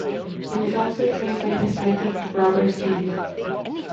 He was also trained by the psychic Robert King.